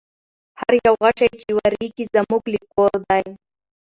هر یو غشی چي واریږي زموږ له کور دی